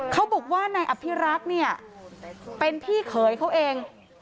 เขาบอกว่านายอภิรักษ์เนี่ยเป็นพี่เขยเขาเอง